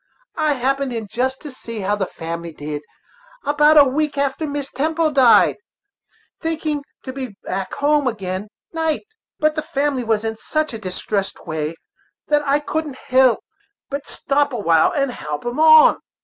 I happened in just to see how the family did, about a week after Mrs. Temple died, thinking to be back home agin' night; but the family was in such a distressed way that I couldn't but stop awhile and help em on.